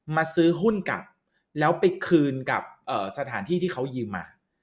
มาซื้อหุ้นกลับแล้วไปคืนกับสถานที่ที่เขายืมมา